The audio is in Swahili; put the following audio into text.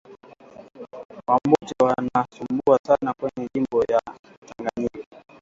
Wambote wana sumbua sana kwenye jimbo ya tanganyika